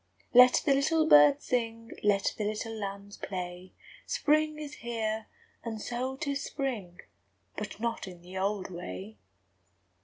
II Let the little birds sing; Let the little lambs play; Spring is here; and so âtis spring; But not in the old way!